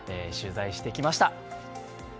取材してきました。